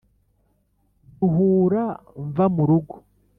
Duhura mva mu rugo